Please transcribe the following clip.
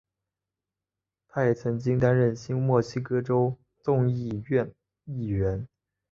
他也曾经担任新墨西哥州众议院议员。